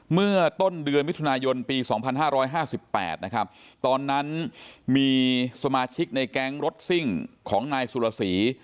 เมื่อต้นเดือนมิถุนายนปี๒๕๕๘นะครับตอนนั้นมีสมาชิกในแก๊งรถซิ่งของนายสุรศรี